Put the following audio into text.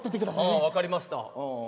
ああ分かりました。